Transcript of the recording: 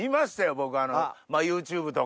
僕ＹｏｕＴｕｂｅとか。